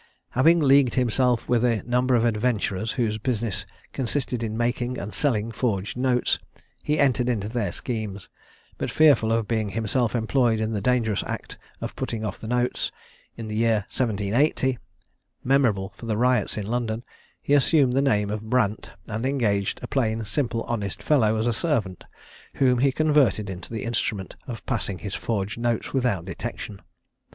Having leagued himself with a number of adventurers whose business consisted in making and selling forged notes, he entered into their schemes; but, fearful of being himself employed in the dangerous act of putting off the notes, in the year 1780, memorable for the riots in London, he assumed the name of Brant, and engaged a plain, simple, honest fellow, as a servant, whom he converted into the instrument of passing his forged notes without detection.